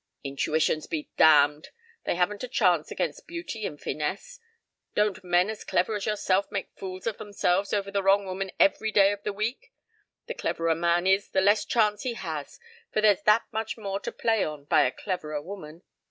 "Intuitions be damned. They haven't a chance against beauty and finesse. Don't men as clever as yourself make fools of themselves over the wrong woman every day in the week? The cleverer a man is the less chance he has, for there's that much more to play on by a cleverer woman.